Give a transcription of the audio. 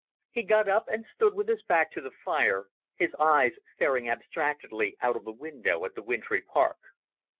He got up and stood with his back to the fire, his eyes staring abstractedly out of the window at the wintry park.